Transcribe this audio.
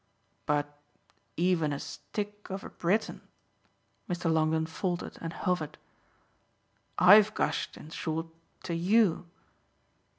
"But even a stick of a Briton !" Mr. Longdon faltered and hovered. "I've gushed in short to YOU."